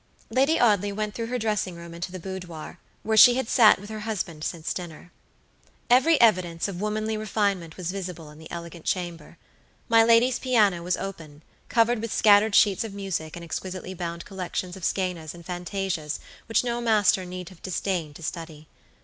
Lady Audley went through her dressing room into the boudoir, where she had sat with her husband since dinner. Every evidence of womanly refinement was visible in the elegant chamber. My lady's piano was open, covered with scattered sheets of music and exquisitely bound collections of scenas and fantasias which no master need have disdained to study.